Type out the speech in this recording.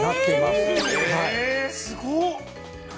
◆すごっ！